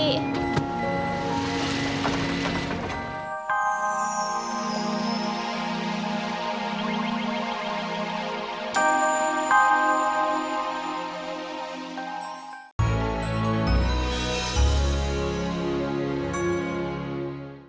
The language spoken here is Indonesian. sampai jumpa lagi